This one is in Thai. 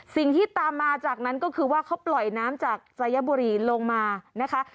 สิ่งที่ตามมาจากนั้นก็คือว่าเขาปล่อยน้ำจากสายบุรีลงมานะคะ